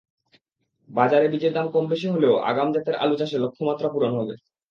বাজারে বীজের দাম কমবেশি হলেও আগাম জাতের আলু চাষে লক্ষ্যমাত্রা পূরণ হবে।